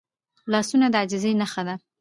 لاسونه د عاجزۍ نښه ده